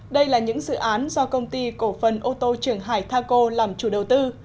đây là những dự án do công ty cổ phần ô tô trường hải thaco làm chủ đầu tư